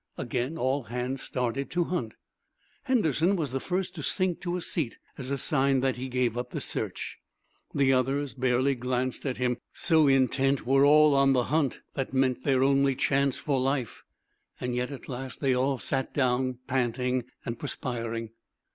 Again all hands started to hunt. Henderson was the first to sink to a seat as a sign that he gave up the search. The others barely glanced at him, so intent were all on the hunt that meant their only chance for life. Yet at last they all sat down, panting, perspiring.